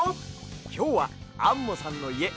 きょうはアンモさんのいえ